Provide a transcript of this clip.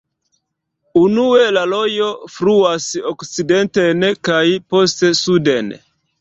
Unue la rojo fluas okcidenten kaj poste suden.